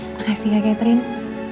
makasih ya catherine